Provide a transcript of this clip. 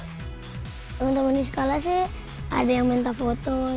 temen temen di sekolah sih ada yang minta foto gitu